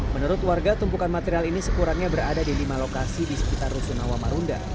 menurut warga tumpukan material ini sekurangnya berada di lima lokasi di sekitar rusunawa marunda